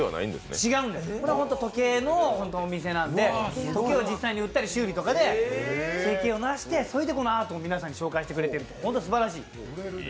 違うんです、時計のお店なので、時計を実際に売ったり修理とかで生計を成してそれでこのアートを皆さんに紹介してくれてる、すばらしい。